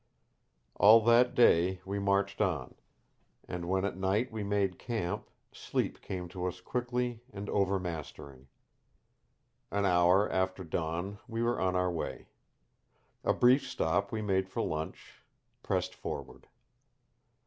All that day we marched on, and when at night we made camp, sleep came to us quickly and overmastering. An hour after dawn we were on our way. A brief stop we made for lunch; pressed forward.